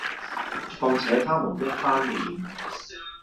況且他們一翻臉，